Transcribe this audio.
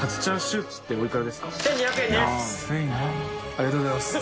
ありがとうございます。